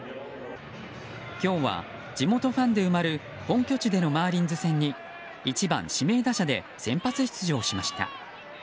今日は地元ファンで埋まる本拠地でのマーリンズ戦に１番指名打者で先発出場しました。